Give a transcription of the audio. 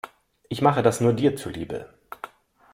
Ich mache das nur dir zuliebe.